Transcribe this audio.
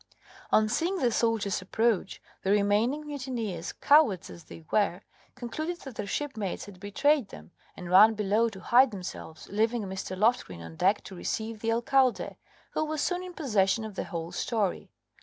On seeing the soldiers approach, the remaining mutineers, cowards as they were, concluded that their shipmates had betrayed them, and ran below to hide themselves, leaving Mr. Loftgreen on deck to receive the Alcalde, who was soon in possession of the whole story.